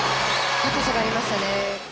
高さがありましたね。